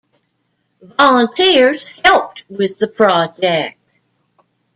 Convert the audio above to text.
Volunteers helped with the project.